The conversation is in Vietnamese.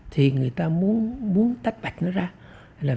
thì người ta muốn tách bạch nó ra